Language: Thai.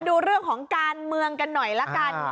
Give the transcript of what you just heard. ดูเรื่องของการเมืองกันหน่อยละกัน